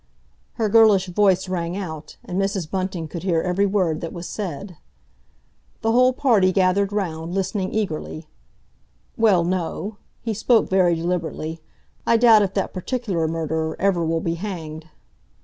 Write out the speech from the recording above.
Her girlish voice rang out, and Mrs. Bunting could hear every word that was said. The whole party gathered round, listening eagerly. "Well, no." He spoke very deliberately. "I doubt if that particular murderer ever will be hanged."